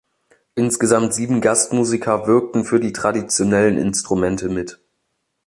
Insgesamt sieben Gastmusiker wirkten für die traditionellen Instrumente mit.